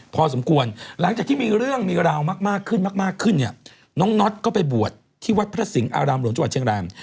พอสมควรหลังจากที่มีเรื่องมีราวมากขึ้นน้องน็อตก็ไปบวชที่วัดพระสิงห์อารามโรนจังหวัดเชียงแรม